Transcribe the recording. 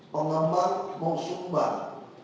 pengamal mau sumbang